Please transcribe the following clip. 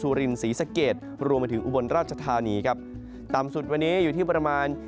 รินศรีสะเกดรวมไปถึงอุบลราชธานีครับต่ำสุดวันนี้อยู่ที่ประมาณ